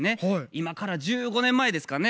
今から１５年前ですかね